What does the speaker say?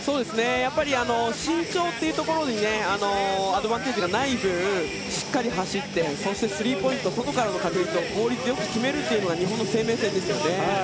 やっぱり身長というところでアドバンテージがない分しっかり走ってそして、スリーポイント外からの確率を効率よく決めるのが日本の生命線ですよね。